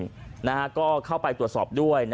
คุณสามารถเข้าไปตรวจสอบด้วย